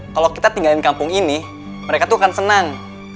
kalau kita tinggalin kampung ini mereka tuh akan senang